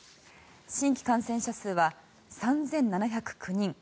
新規感染者数は３７０９人。